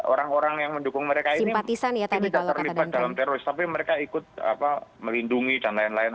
orang orang yang mendukung mereka ini tidak terlibat dalam teroris tapi mereka ikut melindungi dan lain lain